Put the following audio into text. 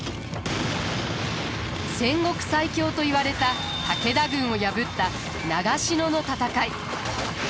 戦国最強といわれた武田軍を破った長篠の戦い。